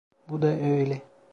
Bu da öyle.